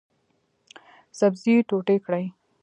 سبزي ټوټې کړئ